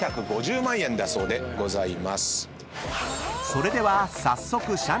［それでは早速］